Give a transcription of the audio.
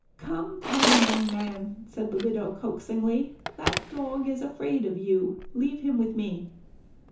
"Come, come, young man," said the widow coaxingly, "that dog is afraid of you. Leave him with me."